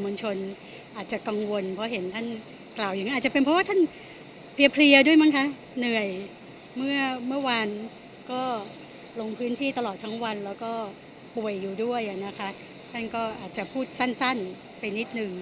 เมื่อเมื่อวานก็ลงพื้นที่ตลอดทั้งวันแล้วก็บ่วยอยู่ด้วยอ่ะนะคะท่านก็อาจจะพูดสั้นสั้นไปนิดหนึ่ง